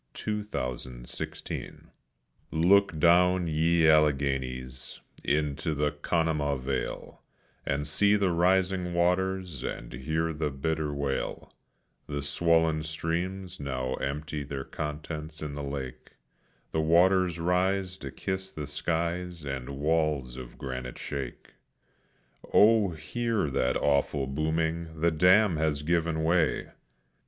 THE JOHNSTOWN DISASTER, 1889 Look down, ye Alleghenies, into the Conemaugh vale, And see the rising waters, and hear the bitter wail; The swollen streams now empty their contents in the lake, The waters rise to kiss the skies and walls of granite shake. Oh, hear that awful booming; the dam has given way!